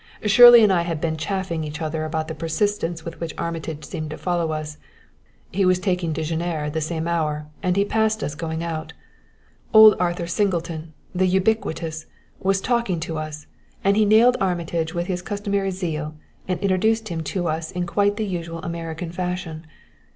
Shirley and I had been chaffing each other about the persistence with which Armitage seemed to follow us. He was taking déjeuner at the same hour, and he passed us going out. Old Arthur Singleton the ubiquitous was talking to us, and he nailed Armitage with his customary zeal and introduced him to us in quite the usual American fashion.